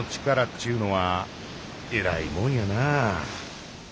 っちゅうのはえらいもんやな。